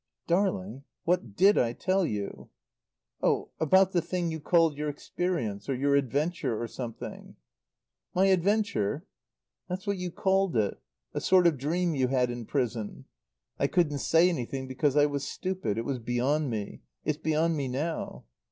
"Darling what did I tell you?" "Oh about the thing you called your experience, or your adventure, or something." "My adventure?" "That's what you called it. A sort of dream you had in prison. I couldn't say anything because I was stupid. It was beyond me. It's beyond me now."